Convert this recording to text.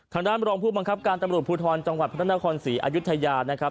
ทางด้านรองผู้บังคับการตำรวจภูทรจังหวัดพระนครศรีอายุทยานะครับ